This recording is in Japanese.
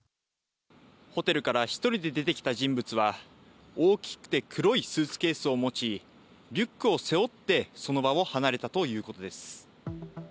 ホテルから１人で出てきた人物は大きくて黒いスーツケースを持ちリュックを背負ってその場を離れたということです。